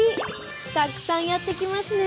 たくさんやって来ますね。